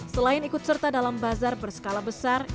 selain ikut serta dalam bazar berskala besar